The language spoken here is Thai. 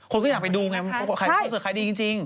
คนก็อยากไปดูไงคอนเซิร์ตใครดีจริง